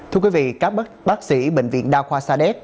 thưa quý vị các bác sĩ bệnh viện đa khoa sa đéc